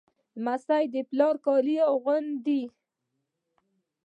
لمسی د پلار کالي اغوندي.